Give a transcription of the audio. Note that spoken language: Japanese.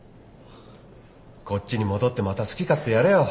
こっちに戻ってまた好き勝手やれよ。